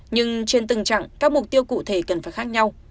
nhưng trên tương trạng các mục tiêu cụ thể cần phải khác nhau